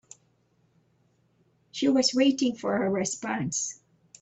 She was waiting for her response.